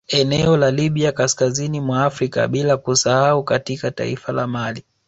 Eneo la Libya kaskazini mwa Afrika bila kusahau katika taifa la mali